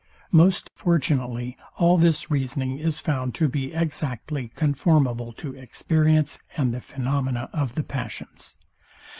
Most fortunately all this reasoning is found to be exactly conformable to experience, and the phaenomena of the passions.